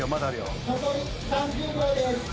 残り３０秒です